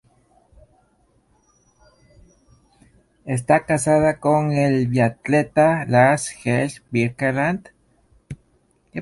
Está casada con el biatleta Lars Helge Birkeland.